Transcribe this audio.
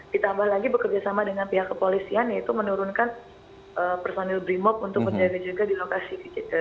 ditambah lagi bekerjasama dengan pihak kepolisian yaitu menurunkan personil brimob untuk menjaga juga di lokasi